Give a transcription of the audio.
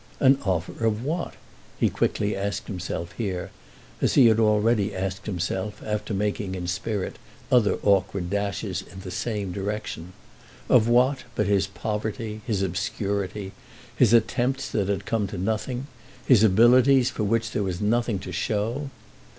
An offer of what? he quickly asked himself here, as he had already asked himself after making in spirit other awkward dashes in the same direction—of what but his poverty, his obscurity, his attempts that had come to nothing, his abilities for which there was nothing to show?